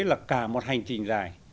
là cả một hành trình dài